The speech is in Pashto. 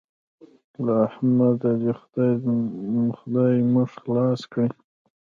له احمده دې خدای موږ خلاص کړي.